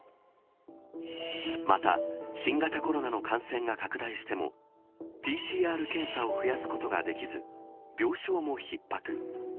また新型コロナの感染が拡大しても、ＰＣＲ検査を増やすことができず、病床もひっ迫。